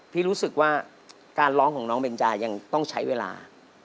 รู้สึกว่าการร้องของน้องเบนจายังต้องใช้เวลา